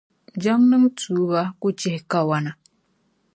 Jaŋa niŋ tuuba ku chihi kariwana.